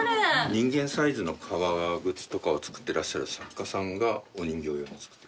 人間サイズの革靴とかを作ってらっしゃる作家さんがお人形用も作って。